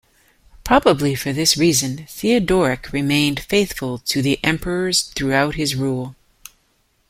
Probably for this reason, Theodoric remained faithful to the emperors throughout his rule.